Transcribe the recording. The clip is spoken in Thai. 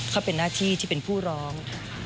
เขาเป็นหน้าที่ที่เป็นผู้ร้อง